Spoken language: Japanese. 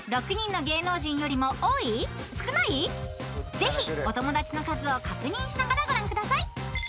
［ぜひお友だちの数を確認しながらご覧ください］